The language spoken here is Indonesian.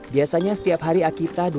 biasanya setiap hari akita dua jam